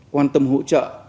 quan tâm hỗ trợ